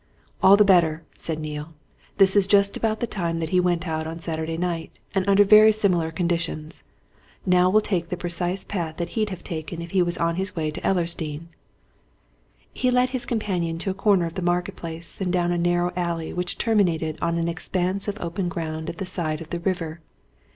"All the better," said Neale. "This is just about the time that he went out on Saturday night, and under very similar conditions. Now we'll take the precise path that he'd have taken if he was on his way to Ellersdeane." He led his companion to a corner of the Market Place, and down a narrow alley which terminated on an expanse of open ground at the side of the river.